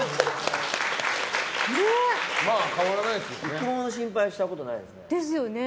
育毛の心配はしたことないですね。